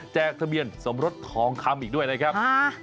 ทะเบียนสมรสทองคำอีกด้วยนะครับ